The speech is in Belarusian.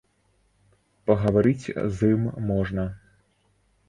Пагаварыць з ім можна.